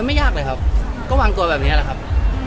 ไม่ยากเลยครับก็วางตัวแบบนี้แหละครับ